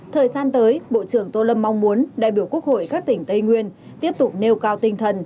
thời gian tới bộ trưởng tô lâm mong muốn đại biểu quốc hội các tỉnh tây nguyên tiếp tục nêu cao tinh thần